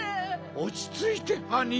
おちついてハニー。